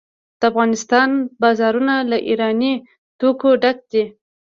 د افغانستان بازارونه له ایراني توکو ډک دي.